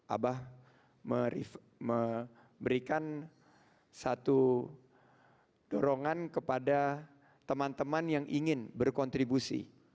abah memberikan satu dorongan kepada teman teman yang ingin berkontribusi